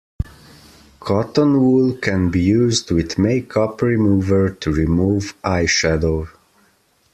Cotton wool can be used with make-up remover to remove eyeshadow